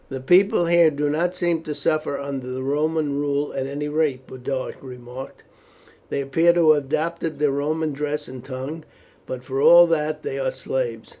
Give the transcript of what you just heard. "The people here do not seem to suffer under the Roman rule at any rate," Boduoc remarked; "they appear to have adopted the Roman dress and tongue, but for all that they are slaves."